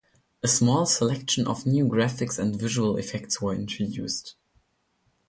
A small selection of new graphics and visual effects were introduced.